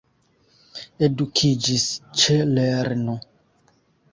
Edukiĝis ĉe lernu!